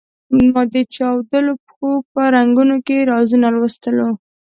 ما د چاودلو پښو په رنګونو کې رازونه لوستلو.